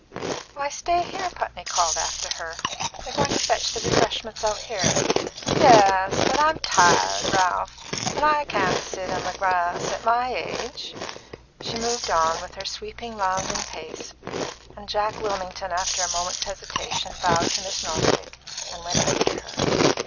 "Why, stay here!" Putney called after her. "They're going to fetch the refreshments out here." "Yes, but I'm tired, Ralph, and I can't sit on the grass, at my age." She moved on, with her sweeping, lounging pace, and Jack Wilmington, after a moment's hesitation, bowed to Miss Northwick and went after her.